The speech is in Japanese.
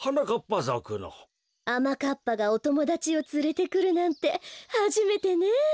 あまかっぱがおともだちをつれてくるなんてはじめてね。